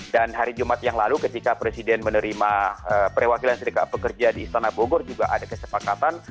dan hari jumat yang lalu ketika presiden menerima perwakilan sedekat pekerja di istana bogor juga ada kesepakatan